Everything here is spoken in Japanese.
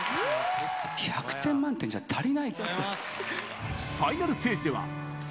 １００点満点じゃ足りない。